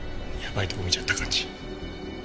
やばいとこ見ちゃった感じ。